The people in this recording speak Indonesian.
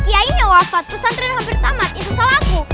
kiai nya wafat pesantren hampir tamat itu salah aku